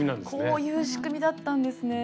こういう仕組みだったんですね。